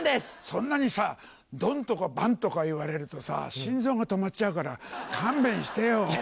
そんなにさ「ドン」とか「バン」とか言われるとさ心臓が止まっちゃうから勘弁してよ。